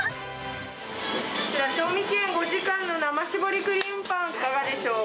こちら賞味期限５時間の生搾りクリームパン、いかがでしょう